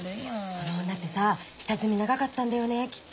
その女ってさ下積み長かったんだよねきっと。